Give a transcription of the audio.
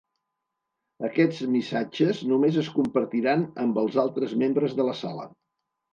Aquests missatges només es compartiran amb els altres membres de la Sala.